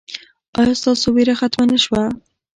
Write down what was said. ایا ستاسو ویره ختمه نه شوه؟